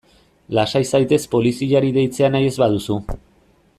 Lasai zaitez poliziari deitzea nahi ez baduzu.